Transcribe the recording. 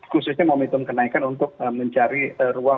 khususnya momentum kenaikan untuk mencari ruang